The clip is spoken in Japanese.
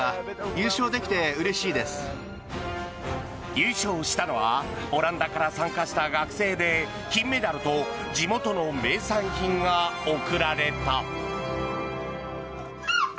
優勝したのはオランダから参加した学生で金メダルと地元の名産品が贈られた。